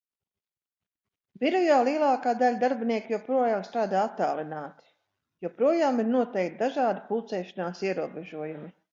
Birojā lielākā daļa darbinieku joprojām strādā attālināti. Joprojām ir noteikti dažādi pulcēšanās ierobežojumi.